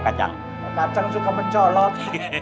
kacang suka mencolok